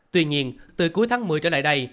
tuy nhiên từ cuối tháng một mươi trở lại đây